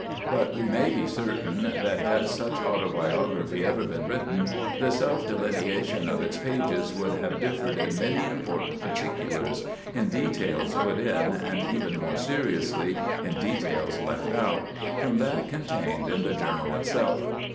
But we may be certain that had such autobiography ever been written, the self delineation of its pages would have differed in many important particulars—in details put in, and even more seriously in details left out—from that contained in the journal itself.